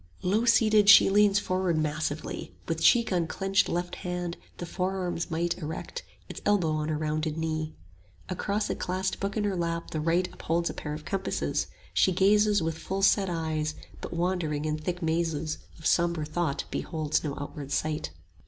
Low seated she leans forward massively, With cheek on clenched left hand, the forearm's might Erect, its elbow on her rounded knee; 10 Across a clasped book in her lap the right Upholds a pair of compasses; she gazes With full set eyes, but wandering in thick mazes Of sombre thought beholds no outward sight.